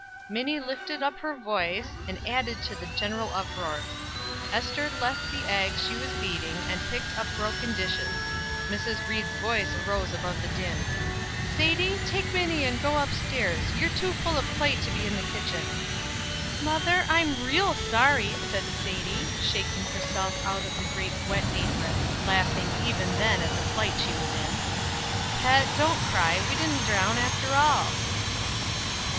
Minnie lifted up her voice, and added to the general uproar. Ester left the eggs she was beating, and picked up broken dishes. Mrs. Ried's voice arose above the din: "Sadie, take Minnie and go up stairs. You're too full of play to be in the kitchen." "Mother, I'm real sorry," said Sadie, shaking herself out of the great wet apron, laughing even then at the plight she was in. "Pet, don't cry. We didn't drown after all."